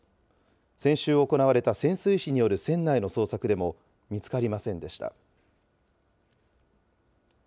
先週行われた潜水士による船内の捜索でも見つかりませんでした。